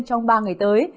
trong ba ngày tới